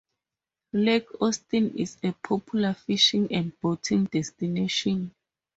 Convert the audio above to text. Lake Austin is a popular fishing and boating destination.